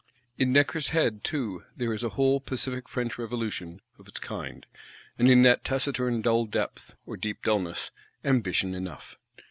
In Necker's head too there is a whole pacific French Revolution, of its kind; and in that taciturn dull depth, or deep dulness, ambition enough.